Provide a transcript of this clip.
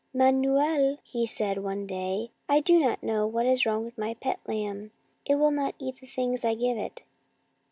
" Manuel," he said one day, " I do not know what is wrong with my pet lamb. It will not eat the things I give it.